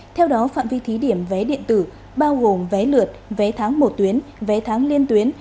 theo đó phạm vi thí điểm vé điện tử bao gồm vé lượt vé tháng một tuyến vé tháng liên tuyến